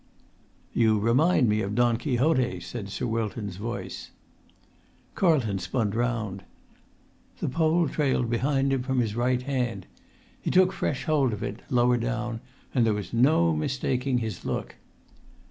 "You remind me of Don Quixote," said Sir Wilton's voice. Carlton spun round. The pole trailed behind him from his right hand. He took fresh hold of it, lower down, and there was no mistaking his look.